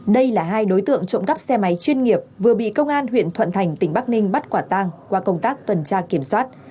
đây là hai đối tượng trộm cắp xe máy chuyên nghiệp vừa bị công an huyện thuận thành tỉnh bắc ninh bắt quả tang qua công tác tuần tra kiểm soát